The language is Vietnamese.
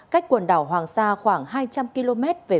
cách quần đảo hoàng sa khoảng hai trăm linh km về